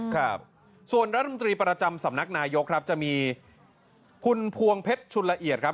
ครับส่วนรัฐมนตรีประจำสำนักนายกครับจะมีคุณพวงเพชรชุนละเอียดครับ